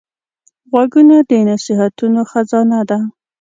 غوږونه د نصیحتونو خزانه ده